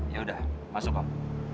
yaudah masuk pak